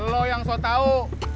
lo yang sotau